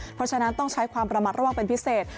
เพราะฉะนั้นต้องใช้ความระมัดระวังเป็นพิเศษ